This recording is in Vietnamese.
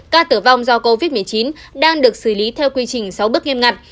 ca tử vong do covid một mươi chín đang được xử lý theo quy trình sáu bước nghiêm ngặt